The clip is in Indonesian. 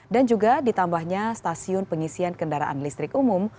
dan juga ditambahnya stasiun pengisian kendaraan listrik umum